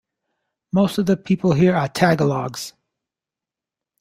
Most of the people here are Tagalogs.